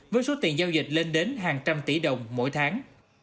với số tiền giao dịch lên đến hàng trăm tỷ đồng mỗi tháng